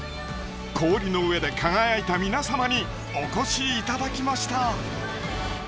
氷の上で輝いた皆様にお越しいただきました！